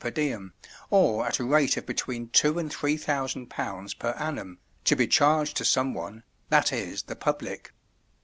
per diem, or at a rate of between two and three thousand pounds per annum, to be charged to some one, i.e. the public.